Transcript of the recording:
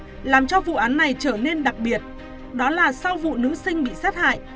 điều này làm cho vụ án này trở nên đặc biệt đó là sau vụ nữ sinh bị sát hại